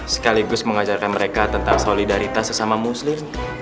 sekaligus mengajarkan mereka tentang solidaritas sesama muslim